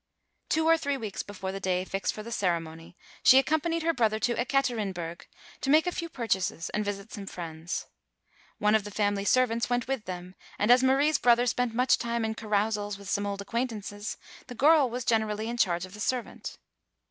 Two or three weeks before the day fixed for the ceremony, she accompanied her brother to Ekat erinburg to make a few purchases and visit some friends. One of the family servants went with them, and as Marie's brother spent much time in carousals with some old acquaintances, the girl was generally in charge of the servant.